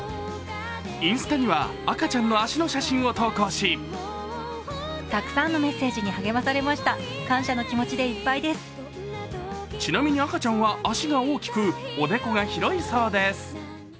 インスタには赤ちゃんの足の写真を投稿しちなみに赤ちゃんはおでこが広くく、足が大きいそうです。